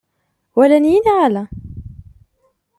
Walan-iyi neɣ ala?